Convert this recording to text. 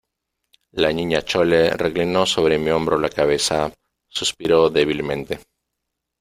la Niña Chole reclinó sobre mi hombro la cabeza , suspiró débilmente ,